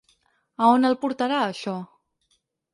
A on el portarà a això?